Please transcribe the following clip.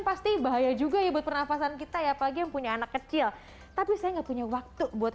pasti bahaya juga ya buat pernafasan kita ya apalagi yang punya anak kecil tapi saya nggak punya waktu buat